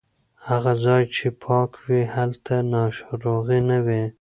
هغه ځای چې پاک وي هلته ناروغي نه وي.